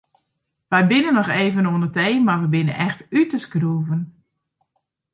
We binne noch even oan de tee mar we binne echt út de skroeven.